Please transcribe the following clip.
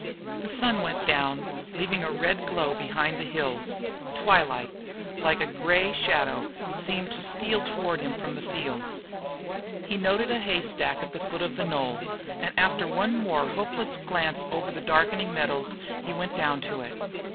The sun went down, leaving a red glow behind the hills; twilight, like a gray shadow seemed to steal toward him from the fields. He had noted a haystack at the foot of the knoll, and after one more hopeless glance over the darkening meadows, he went down to it.